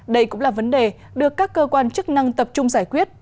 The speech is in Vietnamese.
đây cũng là vấn đề được các cơ quan chức năng tập trung giải quyết